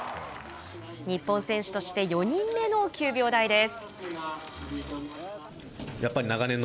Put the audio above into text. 日本選手として４人目の９秒台です。